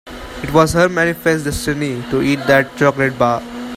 It was her manifest destiny to eat that chocolate bar.